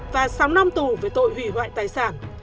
và sáu năm tù về tội hủy hoại tài sản